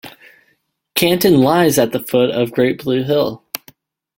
Canton lies at the foot of Great Blue Hill.